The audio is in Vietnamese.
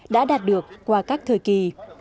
đã đạt được qua các thời kỳ